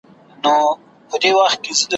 ما مي د خضر په اوبو آیینه ومینځله ,